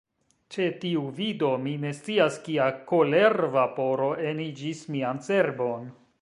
Ĉe tiu vido, mi ne scias kia kolervaporo eniĝis mian cerbon.